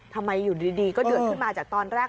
ทำไมอยู่ดีก็เดือดขึ้นมาจากตอนแรก